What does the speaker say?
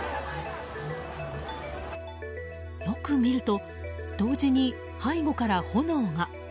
よく見ると同時に背後から炎が。